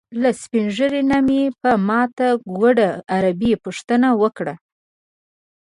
له سپین ږیري نه مې په ماته ګوډه عربي پوښتنه وکړه.